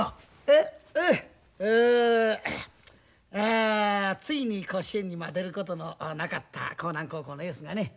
あついに甲子園に出ることのなかった甲南高校のエースがね